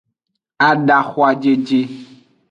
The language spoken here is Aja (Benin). Adahwajeje.